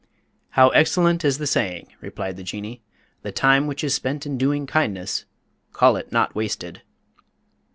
"How excellent is the saying," replied the Jinnee: "'The time which is spent in doing kindnesses, call it not wasted.'"